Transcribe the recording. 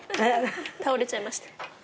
倒れちゃいました。